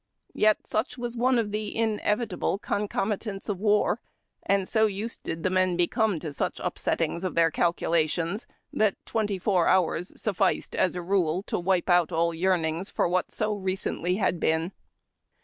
Yet such was one of the inevitable concomi 180 HARD TACK AND COFFEE. taiits of wiir, and so used did tlie men become to such upsettings of their calculations that twenty four hours suf ficed, as a rule, to wipe out all yearnings for what so recently had been.